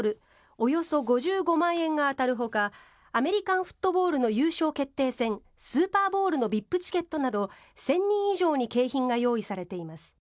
およそ５５万円が当たるほかアメリカンフットボールの優勝決定戦、スーパーボウルのＶＩＰチケットなど１０００人以上に景品が用意されています。